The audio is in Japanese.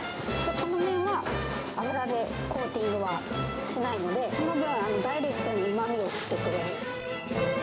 この麺は油でコーティングはしないので、その分、ダイレクトにうまみを吸ってくれる。